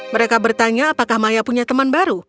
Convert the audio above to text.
mereka bertanya apakah maya punya teman baru